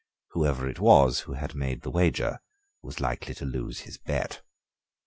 Whoever it was who had made the wager was likely to lose his bet.